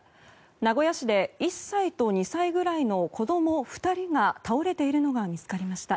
名古屋市で１歳と２歳ぐらいの子供２人が倒れているのが見つかりました。